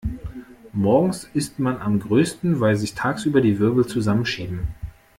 Morgens ist man am größten, weil sich tagsüber die Wirbel zusammenschieben.